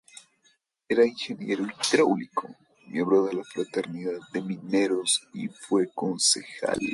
Era ingeniero hidráulico, miembro de la fraternidad de mineros y fue concejal.